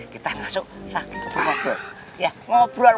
kita atur yah proper ngobrol wykor